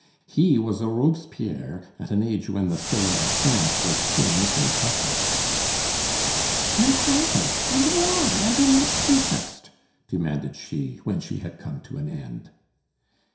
He was a Robespierre at an age when the Sylla of France was make couplets. "And how? and why? And on what pretext?" demanded she, when she had come to an end.